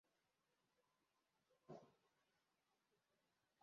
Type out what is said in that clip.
Imbwa isohoka muri pisine yubururu ifite umupira mumunwa